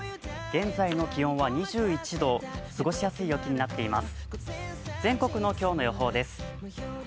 現在の気温は２１度、過ごしやすい陽気になっています。